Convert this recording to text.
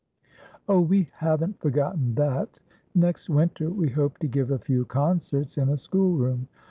"Oh, we haven't forgotten that. Next winter we hope to give a few concerts in a schoolroom.